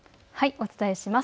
お伝えします。